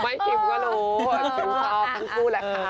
ไม่คิมก็รู้คือเขาคุณผู้แหละค่ะ